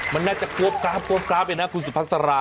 มันน่าจะกรวบกราฟไปนะคุณสุภาษฎรา